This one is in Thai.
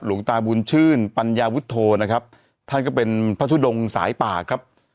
หลวงตาบุญชื่นปัญญาวุฒโธนะครับท่านก็เป็นพระทุดงสายปากครับ